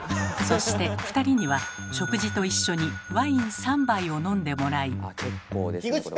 そして２人には食事と一緒にワイン３杯を飲んでもらい。